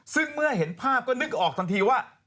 ซึ่งเมื่อเห็นภาพก็นึกออกทันทีว่า